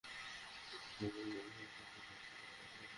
গল্পে কিছুটা পরিবর্তন এনে ফেরদৌসকে দিয়ে ছবির কাজ শেষ করেন ছটকু আহমেদ।